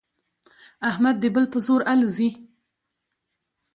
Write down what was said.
احمد د بل په زور الوزي.